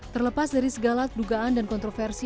terlepas dari segala dugaan dan kontroversi